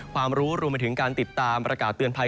ความรู้รวมไปถึงการติดตามประกาศเตือนภัย